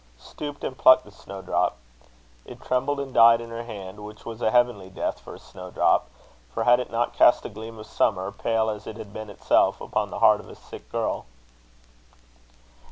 stooped and plucked the snowdrop. It trembled and died in her hand; which was a heavenly death for a snowdrop; for had it not cast a gleam of summer, pale as it had been itself, upon the heart of a sick girl?"